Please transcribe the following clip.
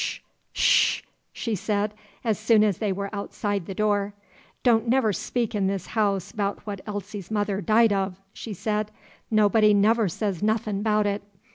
"'Sh! 'sh!" she said, as soon as they were outside the door. "Don' never speak in this house 'bout what Elsie's mother died of!" she said. "Nobody never says nothin' 'bout it.